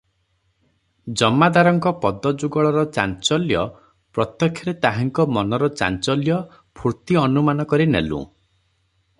ଜମାଦାରଙ୍କ ପଦଯୁଗଳର ଚାଞ୍ଚଲ୍ୟ ପ୍ରତ୍ୟକ୍ଷରେ ତାହାଙ୍କ ମନର ଚାଞ୍ଚଲ୍ୟ, ଫୁର୍ତ୍ତି ଅନୁମାନ କରି ନେଲୁଁ ।